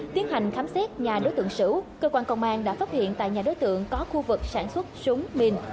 tiến hành khám xét nhà đối tượng sửu cơ quan công an đã phát hiện tại nhà đối tượng có khu vực sản xuất súng min